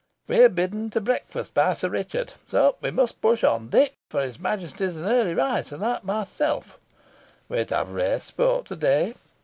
We are bidden to breakfast by Sir Richard, so we must push on, Dick, for his Majesty is an early riser, like myself. We are to have rare sport to day.